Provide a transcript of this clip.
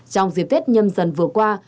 trong dịp thết nhâm dần vừa qua